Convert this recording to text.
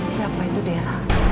siapa itu dera